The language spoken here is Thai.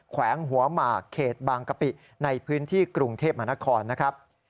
แขวงหัวหมากเขตบางกะปิในพื้นที่กรุงเทพมหานครนะครับ